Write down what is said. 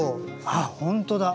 あほんとだ。